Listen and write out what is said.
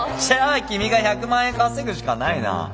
じゃあ君が１００万円稼ぐしかないな。